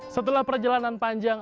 setelah perjalanan panjang